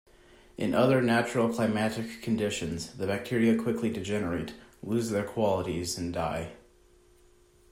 In other natural climatic conditions the bacteria quickly degenerate, lose their qualities and die.